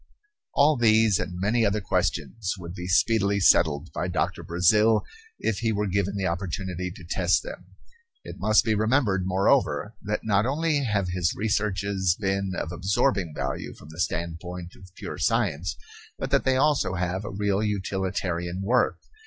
All these and many other questions would be speedily settled by Doctor Brazil if he were given the opportunity to test them. It must be remembered, moreover, that not only have his researches been of absorbing value from the standpoint of pure science but that they also have a real utilitarian worth.